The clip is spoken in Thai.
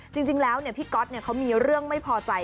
จริงแล้วพี่ก๊อตเขามีเรื่องไม่พอใจ